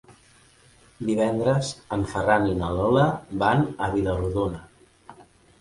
Divendres en Ferran i na Lola van a Vila-rodona.